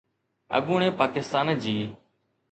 اڳوڻي پاڪستان جي